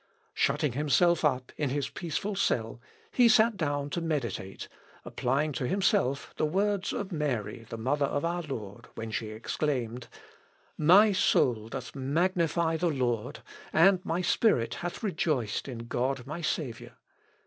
Shutting himself up in his peaceful cell, he sat down to meditate, applying to himself the words of Mary, the mother of our Lord, when she exclaimed, "_My soul doth magnify the Lord, and my spirit hath rejoiced in God my Saviour.